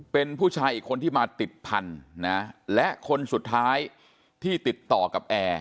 เป็นผู้ชายอีกคนที่มาติดพันธุ์นะและคนสุดท้ายที่ติดต่อกับแอร์